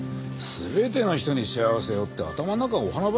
「すべての人に幸せを」って頭の中お花畑だよね。